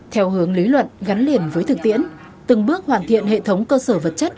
theo hướng lý luận gắn liền với thực tiễn từng bước hoàn thiện hệ thống cơ sở vật chất